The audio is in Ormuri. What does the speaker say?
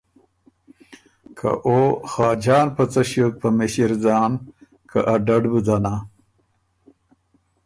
که او خاجان په څه ݭیوک په مِݭِر ځان که ا ډډ بُو ځنا۔